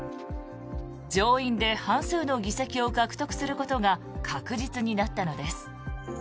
上院で半数の議席を獲得することが確実になったのです。